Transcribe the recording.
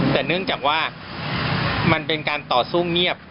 แต่เนื่องจากว่ามันเป็นการต่อสู้เงียบ